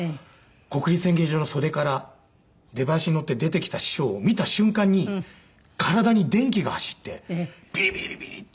国立演芸場の袖から出囃子に乗って出てきた師匠を見た瞬間に体に電気が走ってビリビリビリッて。